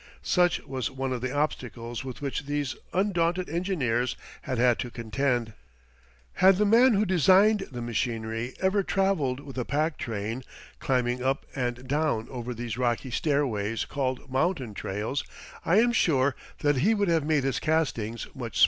Such was one of the obstacles with which these undaunted engineers had had to contend. Had the man who designed the machinery ever traveled with a pack train, climbing up and down over these rocky stairways called mountain trails, I am sure that he would have made his castings much smaller.